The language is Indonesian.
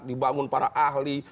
dibangun para ahli